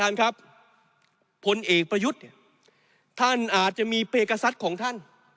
มันอาจจะมีเพกษัตริย์ของท่าน